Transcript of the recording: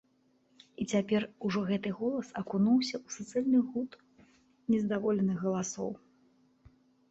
І цяпер ужо гэты голас акунуўся ў суцэльны гуд нездаволеных галасоў.